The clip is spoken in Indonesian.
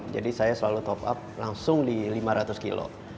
jadi saya selalu top up langsung di lima ratus kilo